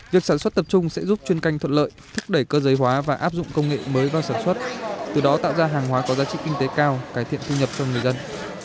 việc sản xuất tập trung sẽ giúp chuyên canh thuận lợi thúc đẩy cơ giới hóa và áp dụng công nghệ mới vào sản xuất từ đó tạo ra hàng hóa có giá trị kinh tế cao cải thiện thu nhập cho người dân